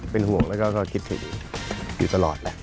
เป็นห่วงแล้วก็คิดถึงอยู่ตลอดแหละ